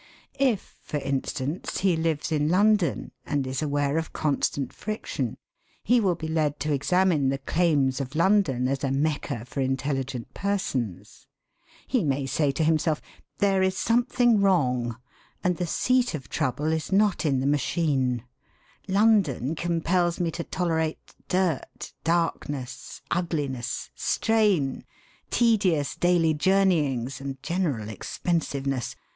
If, for instance, he lives in London, and is aware of constant friction, he will be led to examine the claims of London as a Mecca for intelligent persons. He may say to himself: 'There is something wrong, and the seat of trouble is not in the machine. London compels me to tolerate dirt, darkness, ugliness, strain, tedious daily journeyings, and general expensiveness.